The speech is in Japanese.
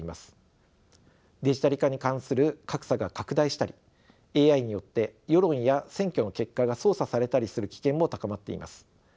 デジタル化に関する格差が拡大したりＡＩによって世論や選挙の結果が操作されたりする危険も高まっています。